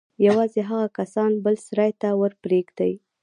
يوازې هغه کسان بل سراى ته ورپرېږدي.